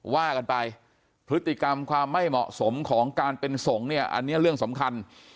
ว่ากันไปพฤติกรรมความไม่เหมาะสมของการเป็นสงฆ์เนี่ยอันนี้เรื่องสำคัญ